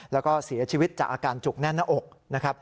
แล้วก็เสียชีวิตจากอาการจุกแน่นหน้าอกนะครับ